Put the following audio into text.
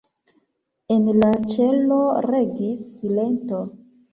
En la ĉelo regis silento.